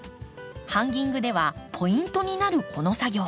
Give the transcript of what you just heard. ハンギングではポイントになるこの作業。